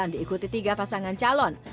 diikuti tiga pasangan calon